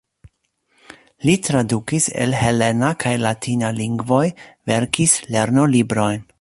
Li tradukis el helena kaj latina lingvoj, verkis lernolibrojn.